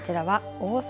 大阪